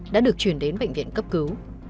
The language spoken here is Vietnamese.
đã được chuyển đến bệnh viện cấp cứu